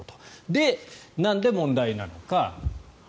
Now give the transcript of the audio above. で、なんで問題なのか。